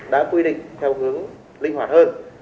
đã quy định theo hướng linh hoạt hơn